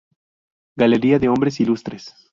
Galería de Hombres Ilustres.